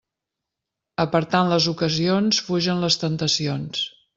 Apartant les ocasions fugen les temptacions.